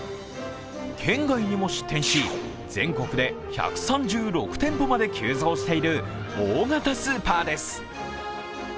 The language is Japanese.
県外にも出店し、全国で１３６店舗まで急増している大型スーパーです。